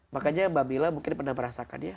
makanya mbak mila mungkin pernah merasakan ya